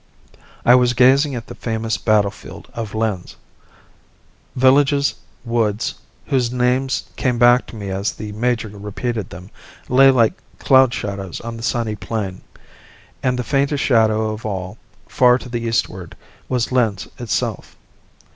I was gazing at the famous battlefield of Lens. Villages, woods, whose names came back to me as the major repeated them, lay like cloud shadows on the sunny plain, and the faintest shadow of all, far to the eastward, was Lens itself.